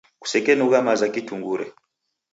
Kusekenugha maza kitungure.